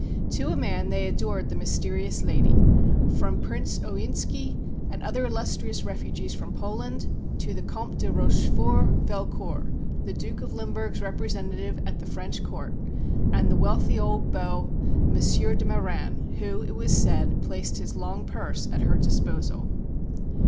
To a man, they adored the mysterious lady from Prince Ojinski and other illustrious refugees from Poland to the Comte de Rochefort Velcourt, the Duke of Limburg's representative at the French Court, and the wealthy old beau M. de Marine, who, it was said, placed his long purse at her disposal.